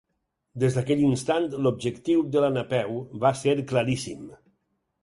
Des d'aquell instant, l'objectiu de la Napeu va ser claríssim.